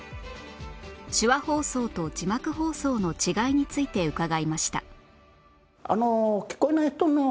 手話放送と字幕放送の違いについて伺いました